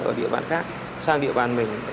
ở địa bàn khác sang địa bàn mình